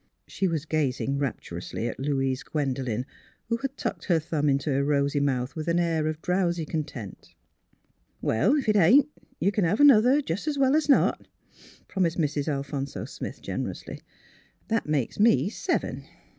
She was gazing rapturously at Louise Gwendolen, who had tucked her thumb into her rosy mouth with an air of drowsy content. '' Well, if it ain't, you can have another, jus* as well as not," promised Mrs. Alphonso Smith, generously. " That makes me seven."